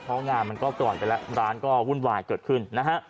เพราะงานมันตะวันไปแล้วร้านก็วุ่นวายเกิดขึ้น